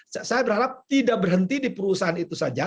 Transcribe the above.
saya berharap tidak berhenti di perusahaan itu saja